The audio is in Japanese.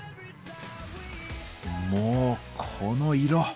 もうこの色！